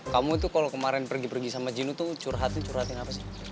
kamu itu kalau kemarin pergi pergi sama jinu tuh curhatnya curhatin apa sih